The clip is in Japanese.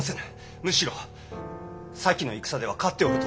むしろ先の戦では勝っておると存じまする。